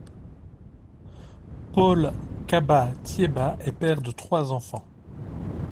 Paul Kaba Thiéba est père de trois enfants.